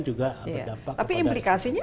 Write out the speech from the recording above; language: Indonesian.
juga berdampak tapi implikasinya